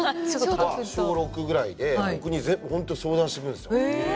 小６ぐらいで僕に本当、相談してくれるんすよ。